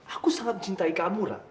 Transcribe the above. aku sangat mencintai kamu rah